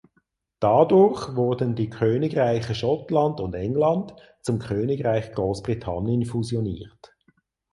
Dadurch wurden die Königreiche Schottland und England zum Königreich Großbritannien fusioniert.